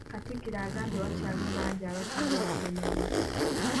Katikkiro agamba wakyaliwo bangi abatidde okugemebwa.